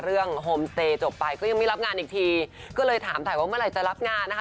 โฮมสเตย์จบไปก็ยังไม่รับงานอีกทีก็เลยถามถ่ายว่าเมื่อไหร่จะรับงานนะคะ